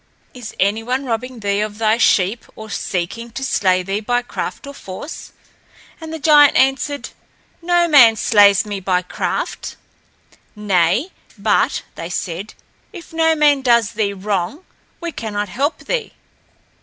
Is any one robbing thee of thy sheep or seeking to slay thee by craft or force?" And the giant answered, "No Man slays me by craft." "Nay, but," they said, "if no man does thee wrong, we cannot help thee.